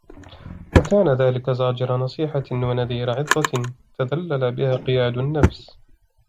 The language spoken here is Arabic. فَكَانَ ذَلِكَ زَاجِرَ نَصِيحَةٍ وَنَذِيرَ عِظَةٍ تَذَلَّلَ بِهَا قِيَادُ النَّفْسِ